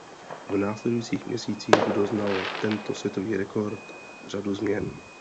V následujících měsících doznal tento světový rekord řadu změn.